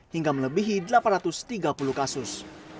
hingga melebihi delapan ratus tiga puluh kasus